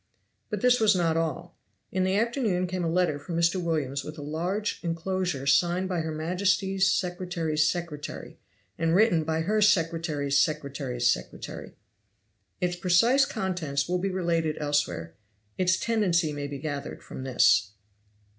But this was not all. In the afternoon came a letter from Mr. Williams with a large inclosure signed by her majesty's secretary's secretary, and written by her secretary's secretary's secretary. Its precise contents will be related elsewhere. Its tendency may be gathered from this.